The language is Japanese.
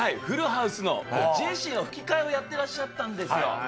『フルハウス』のジェシーの吹き替えをやってらっしゃったんですよ。